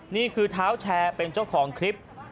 นี่คือเท้าแชร์เป็นเจ้าของคลิป